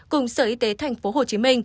cùng sở y tế tp hcm